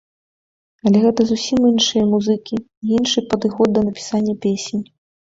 Але гэта зусім іншыя музыкі, і іншы падыход да напісання песень.